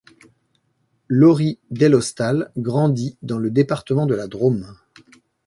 Laurie Delhostal grandit dans le département de la Drôme.